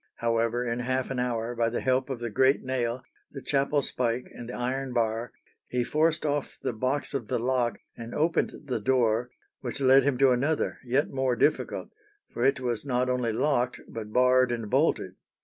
However, in half an hour, by the help of the great nail, the chapel spike, and the iron bar, he forced off the box of the lock and opened the door which led him to another yet more difficult, for it was not only locked, but barred and bolted.